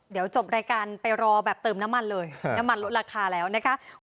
เดี๋ยวจบรายการไปรอแบบเติมน้ำมันเลยน้ำมันลดราคาแล้วนะคะ